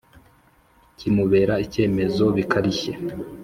Kimubera icyemezo bikarishye